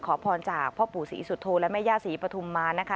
ขอพรจากพ่อปู่ศรีสุโธและแม่ย่าศรีปฐุมมานะคะ